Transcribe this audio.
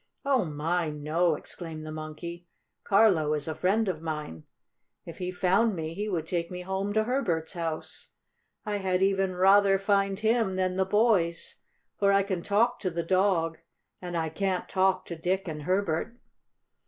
"Oh, my, no!" exclaimed the Monkey. "Carlo is a friend of mine. If he found me he would take me home to Herbert's house. I had even rather find him than the boys, for I can talk to the dog, and I can't talk to Dick and Herbert."